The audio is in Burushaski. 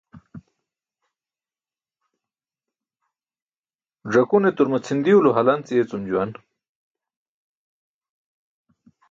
Ẓakune turma cʰindiwlo halanc yeecum juwan.